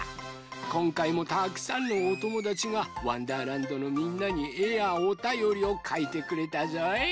こんかいもたくさんのおともだちが「わんだーらんど」のみんなにえやおたよりをかいてくれたぞい。